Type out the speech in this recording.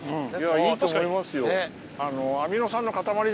いいと思いますよ。